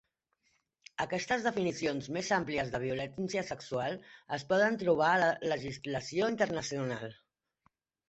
Aquestes definicions més àmplies de violència sexual es poden trobar a la legislació internacional.